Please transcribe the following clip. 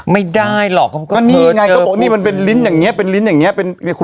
มันมีลิ้นแมวจะเป็นแบบเนี่ยแต่จาก